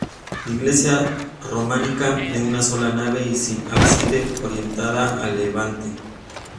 Iglesia románica de una sola nave y sin ábside, orientada a levante.